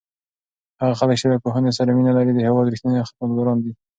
هغه خلک چې له پوهنې سره مینه لري د هېواد رښتیني خدمتګاران دي.